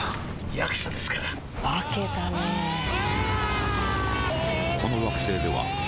役者ですから化けたねうわーーー！